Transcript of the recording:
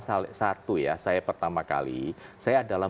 satu ya saya pertama kali saya adalah